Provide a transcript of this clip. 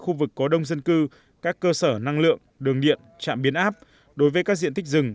khu vực có đông dân cư các cơ sở năng lượng đường điện trạm biến áp đối với các diện tích rừng